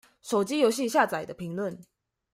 手機遊戲下載的評論